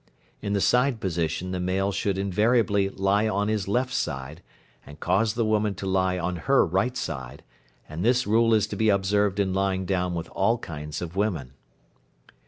In the side position the male should invariably lie on his left side, and cause the woman to lie on her right side, and this rule is to be observed in lying down with all kinds of women.